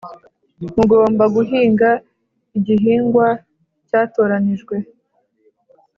Mugomba Guhinga igihingwa cyatoranijwe